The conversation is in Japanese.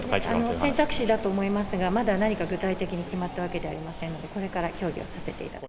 選択肢だと思いますが、まだ何か具体的に決まったわけではありませんので、これから協議をさせていただく。